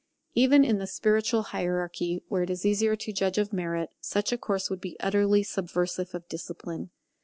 Even in the spiritual hierarchy, where it is easier to judge of merit, such a course would be utterly subversive of discipline.